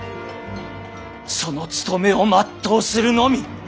その務めを全うするのみ！